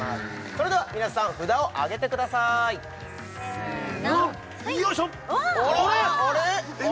それでは皆さん札を上げてくださいせーのあれっ？